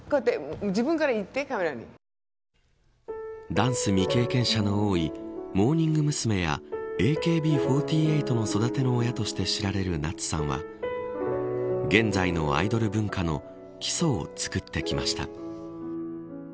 ダンス未経験者の多いモーニング娘。やＡＫＢ４８の育ての親として知られる夏さんは現在のアイドル文化の基礎を作ってきました。